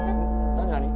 何？